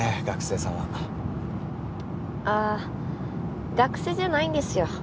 学生じゃないんですよ。